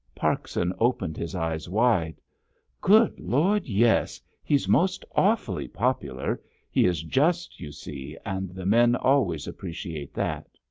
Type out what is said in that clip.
Parkson opened his eyes wide. "Good Lord, yes; he's most awfully popular. He is just, you see, and the men always appreciate that."